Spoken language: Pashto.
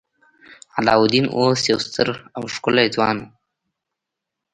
علاوالدین اوس یو ستر او ښکلی ځوان و.